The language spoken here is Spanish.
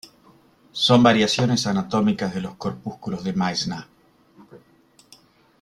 Son variaciones anatómicas de los corpúsculos de Meissner.